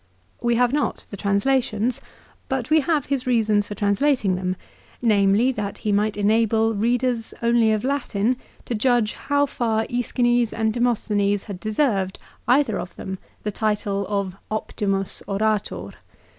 We have not the translations ; but we have his reasons for translating them, namely, that he might enable readers only of Latin to judge how far ^Eschines and Demosthenes had deserved, either of them, the title of' " Optimus orator."